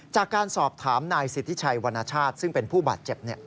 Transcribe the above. จากการสอบถามนายสิทธิชัยวรรณชาติซึ่งเป็นผู้บาดเจ็บ